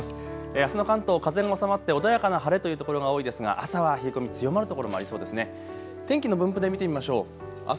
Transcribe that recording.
あすの関東、風も収まって穏やかな晴れという所が多いですが朝は冷え込み強まる所もありそうです。